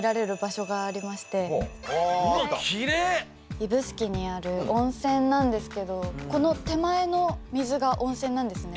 指宿にある温泉なんですけどこの手前の水が温泉なんですね。